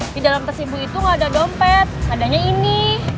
di dalam tersibuk itu nggak ada dompet adanya ini